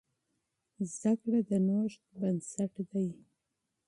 زده کړه د نوښت بنسټ دی.